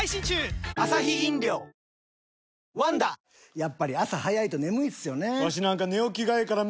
やっぱり朝早いと眠いっすよね